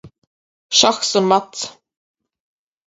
Šahs un mats